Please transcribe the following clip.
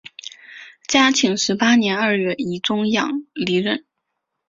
嘉庆十八年二月以终养离任。